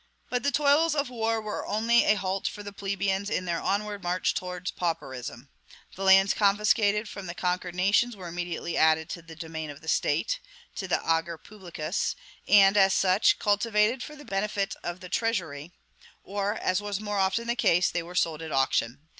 But the toils of war were only a halt for the plebeians in their onward march towards pauperism. The lands confiscated from the conquered nations were immediately added to the domain of the State, to the ager publicus; and, as such, cultivated for the benefit of the treasury; or, as was more often the case, they were sold at auction.